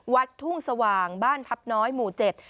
วัดทุ่งสว่างบ้านทัพน้อยหมู่เจ็ด